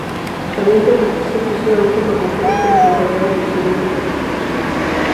Solía interpretarse exclusivamente por mujeres, que se acompañaban de instrumentos de percusión.